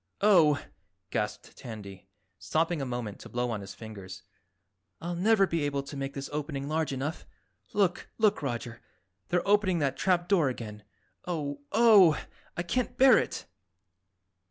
"Oh!" gasped Tandy, stopping a moment to blow on his fingers. "I'll never be able to make this opening large enough. Look, look, Roger, they're opening that trap door again. Oh, Oh! I can't bear it!"